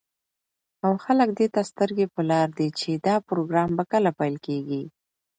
او خلك دېته سترگې په لار دي، چې دا پروگرام به كله پيل كېږي.